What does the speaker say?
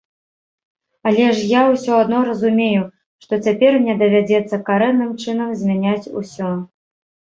Але ж я ўсё адно разумею, што цяпер мне давядзецца карэнным чынам змяняць усё.